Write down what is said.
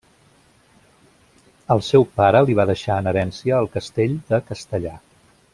El seu pare li va deixar en herència el castell de Castellar.